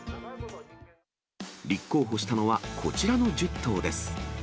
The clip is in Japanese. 立候補したのはこちらの１０頭です。